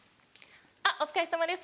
あっお疲れさまです